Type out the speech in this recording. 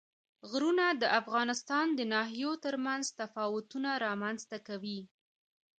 غرونه د افغانستان د ناحیو ترمنځ تفاوتونه رامنځ ته کوي.